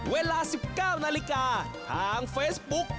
เวลา๑๙นทางเฟซบุ๊ค